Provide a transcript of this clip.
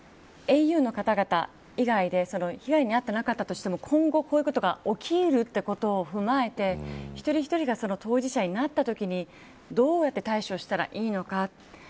ａｕの方々以外で被害に遭ってなかったとしても今後、こういうことが起きるということも踏まえて一人一人が当事者になったときにどうやって対処したらいいのか。